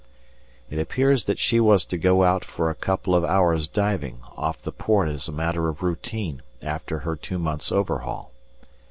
It appears that she was to go out for a couple of hours' diving off the port as a matter of routine after her two months' overhaul.